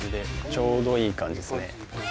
ちょうどいい感じですね。